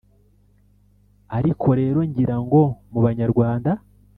ariko rero ngira ngo mu banyarwanda